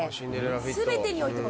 全てにおいて。